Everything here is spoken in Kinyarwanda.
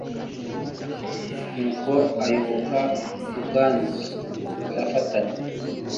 n'uko ayoboka Ruganzu baraftanya,